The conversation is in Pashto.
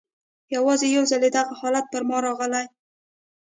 یوازي یو ځلې دغه ډول حالت پر ما راغلی.